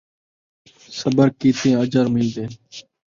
صبر کیتیاں اجر ملدے